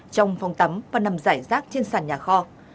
trong phòng tắm và nằm giải rác trên sàn nhà kho